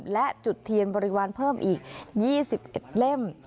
และจุดเทียนบริวารเพิ่มอีกยี่สิบเอ็ดเล่ม